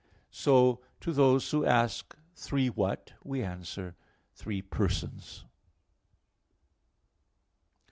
So to those who ask, Three what? we answer, Three persons.